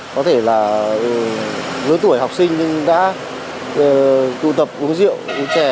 có thể là với tuổi học sinh đã tụ tập uống rượu uống chè